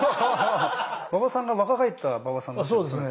馬場さんが若返った馬場さんみたいですね。